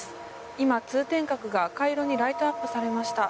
今、通天閣が赤色にライトアップされました。